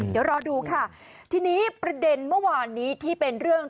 เดี๋ยวรอดูค่ะทีนี้ประเด็นเมื่อวานนี้ที่เป็นเรื่อง